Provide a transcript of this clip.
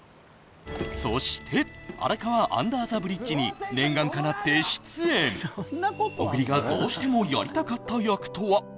そして「荒川アンダーザブリッジ」に念願かなって出演小栗がどうしてもやりたかった役とは？